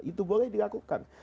itu boleh dilakukan